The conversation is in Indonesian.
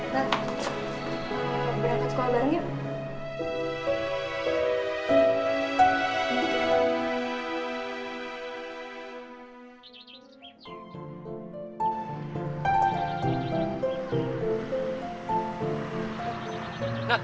berangkat sekolah bareng yuk